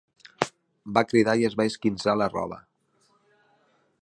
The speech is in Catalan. Va cridar i es va esquinçar la roba.